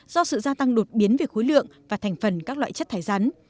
do sự gia tăng đột biến về khối lượng và thành phần các loại chất thải rắn